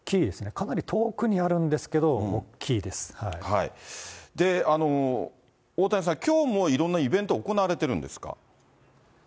かなり遠くにあるんですけど、大谷さん、きょうもいろんなイベント、行われているんですか？